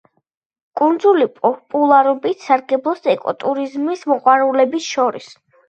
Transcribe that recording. კუნძული პოპულარობით სარგებლობს ეკოტურიზმის მოყვარულებს შორის.